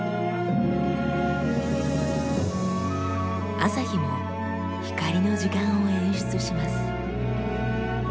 朝日も光の時間を演出します。